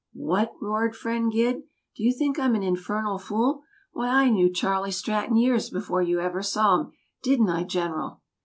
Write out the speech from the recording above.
"What!" roared friend Gid.; "do you think I am an infernal fool? Why, I knew Charley Stratton years before you ever saw him, didn't I, General?"